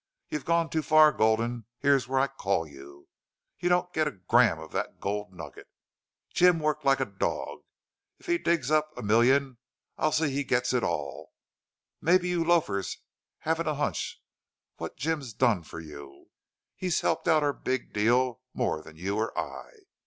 "You've gone too far, Gulden. Here's where I call you!... You don't get a gram of that gold nugget. Jim's worked like a dog. If he digs up a million I'll see he gets it all. Maybe you loafers haven't a hunch what Jim's done for you. He's helped our big deal more than you or I.